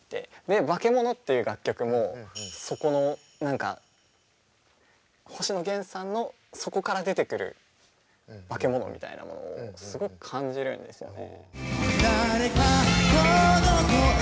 「化物」という楽曲もそこの何か星野源さんのそこから出てくる化物みたいなものをすごく感じるんですよね。